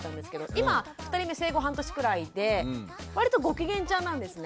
今２人目生後半年くらいで割とご機嫌ちゃんなんですね。